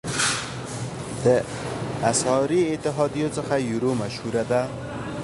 د اسعاري اتحادیو څخه یورو مشهوره ده.